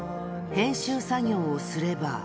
編集作業をすれば。